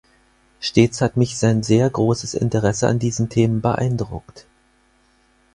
Stets hat mich sein sehr großes Interesse an diesen Themen beeindruckt.